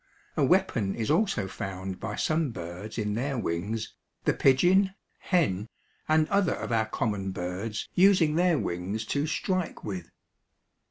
A weapon is also found by some birds in their wings, the pigeon, hen and other of our common birds using their wings to strike with.